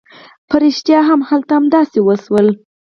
په رښتيا هم هلته همداسې وشول.